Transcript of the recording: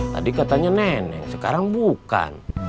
tadi katanya nenek sekarang bukan